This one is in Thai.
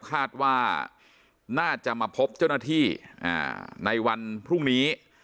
คาดว่าน่าจะมาพบเจ้าหน้าที่ในวันพรุ่งนี้